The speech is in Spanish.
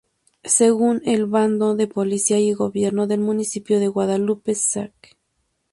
Según el Bando de Policía y Gobierno del Municipio de Guadalupe, Zac.